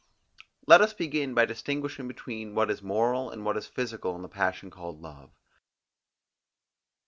Let us begin by distinguishing between what is moral and what is physical in the passion called love.